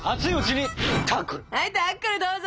はいタックルどうぞ！